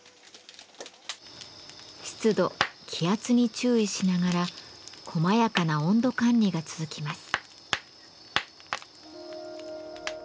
湿度気圧に注意しながら細やかな温度管理が続きます。